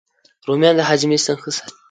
رومیان د هاضمې سیسټم ښه ساتي